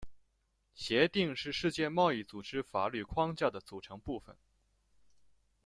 协定是世界贸易组织法律框架的组成部分。